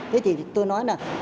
thế thì tôi nói là